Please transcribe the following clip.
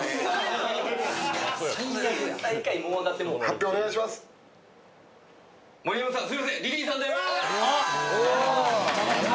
発表お願いします。